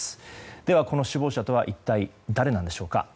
では、この首謀者とは一体誰なんでしょうか。